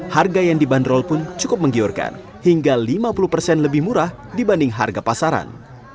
harga yang dibanderol pun cukup menggiurkan hingga lima puluh persen lebih murah dibanding harga pasaran